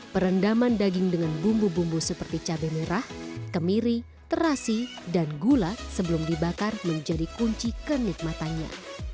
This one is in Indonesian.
perendaman daging dengan bumbu bumbu seperti cabai merah kemiri terasi dan gula sebelum dibakar menjadi kunci kenikmatannya